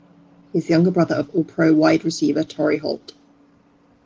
He is the younger brother of All-Pro wide receiver Torry Holt.